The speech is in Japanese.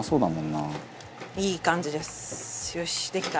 よしできた！